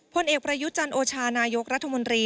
พลเอกประยุจันโอชานายกรัฐมนตรี